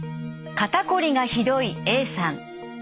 肩こりがひどいＡさん。